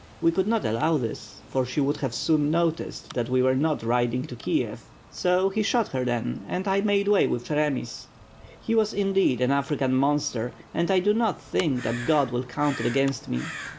We could not allow this, for she would have soon noticed that we were not ridinP" to Kiev. So he shot her then, and I made way with Cheremis. He was indeed an Afican monster, and I do not think that God will count it against me.